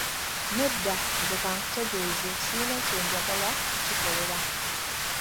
Nedda, nze ka nkutegeeze sirina kye njagala kukikolera.